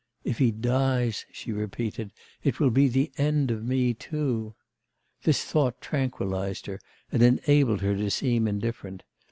'If he dies,' she repeated, 'it will be the end of me too.' This thought tranquillised her, and enabled her to seem indifferent.